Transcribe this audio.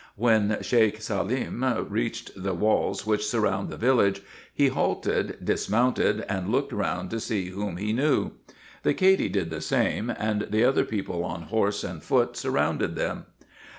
When Sheik Salem reached the walls which surround the village, he halted, dismounted, and looked round to see whom he IN EGYPT, NUBIA, &c. 413 knew. The Cady did the same ; and the other people on horse and foot surrounded them.